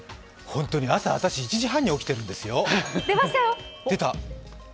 私、朝１時半に起きてるんですよ？